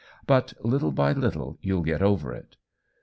But, little by little, you'll get over it."